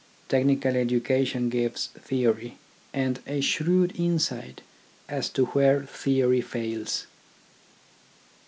Technical education gives theory, and a shrewd insight as to where theory fails.